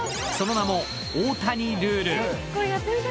その名も大谷ルール。